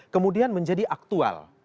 kemudian menjadi aktual